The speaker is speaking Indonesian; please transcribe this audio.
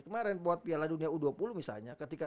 kemarin buat piala dunia u dua puluh misalnya ketika